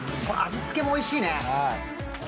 味付けもおいしいね。